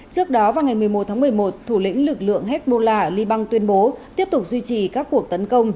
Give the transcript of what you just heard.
trước đó vào ngày một mươi một tháng một mươi một thủ lĩnh lực lượng hezbollah ở liban tuyên bố tiếp tục duy trì các cuộc tấn công